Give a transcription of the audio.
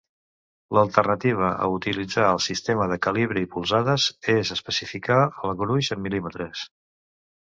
L'alternativa a utilitzar el sistema de calibre i polzades és especificar el gruix en mil·límetres.